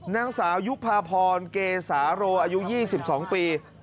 นางสาวยุภาพรเกษาโรอายุ๒๒ปี